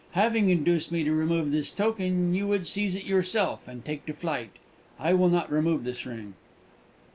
"Having induced me to remove this token, you would seize it yourself, and take to flight! I will not remove this ring!"